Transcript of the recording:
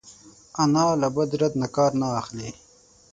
انا له بد رد نه کار نه اخلي